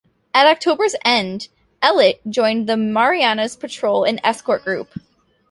At October's end, "Ellet" joined the Marianas Patrol and Escort Group.